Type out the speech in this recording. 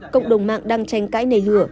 cộng đồng mạng đang tranh cãi nảy lửa